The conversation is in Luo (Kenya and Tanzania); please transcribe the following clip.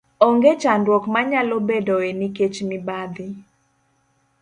onge chandruok ma nyalo bedoe nikech mibadhi.